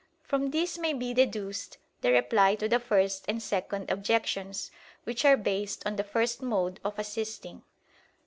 From this may be deduced the reply to the first and second objections, which are based on the first mode of assisting.